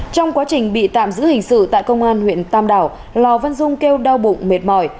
trong quá trình bị tạm giữ hình sự tại công an huyện tam đảo lò văn dung kêu đau bụng mệt mỏi